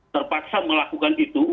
terpaksa melakukan itu